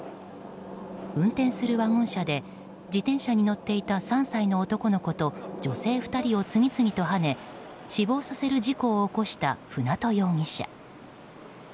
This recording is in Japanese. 運転するワゴン車で自転車に乗っていた３歳の男の子と女性２人を次々とはね死亡させる事故を起こした舟渡容疑者。